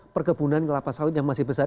perkebunan kelapa sawit yang masih besar